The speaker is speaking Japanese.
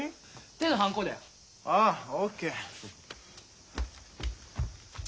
手のハンコだよ。ああＯＫ！